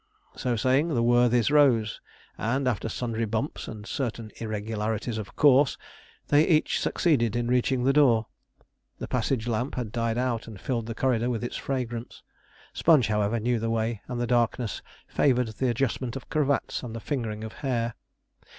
So saying, the worthies rose, and, after sundry bumps and certain irregularities of course, they each succeeded in reaching the door. The passage lamp had died out and filled the corridor with its fragrance. Sponge, however, knew the way, and the darkness favored the adjustment of cravats and the fingering of hair.